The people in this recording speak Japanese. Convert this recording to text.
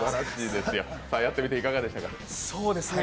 やってみていかがでしたか？